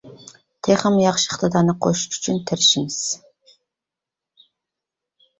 تېخىمۇ ياخشى ئىقتىدارنى قوشۇش ئۈچۈن تىرىشىمىز.